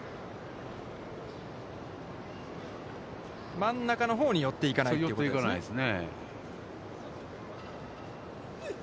真ん中のほうに寄っていかないということですね。